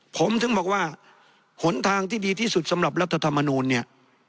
ผมถึงบอกว่าหนทางที่ดีที่สุดสำหรับรัฐธรรมนูลเนี่ย